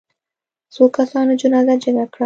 څو کسانو جنازه جګه کړه.